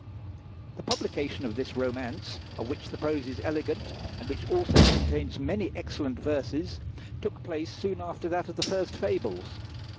The publication of this romance, of which the prose is elegant, and which also contains many excellent verses, took place soon after that of the first fables.